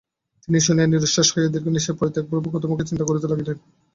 তিনি শুনিয়া নিরাশ্বাস হইয়া দীর্ঘ নিশ্বাস পরিত্যাগপূর্বক অধোমুখে চিন্তা করিতে লাগিলেন।